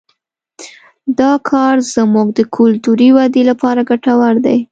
دا کار زموږ د کلتوري ودې لپاره ګټور دی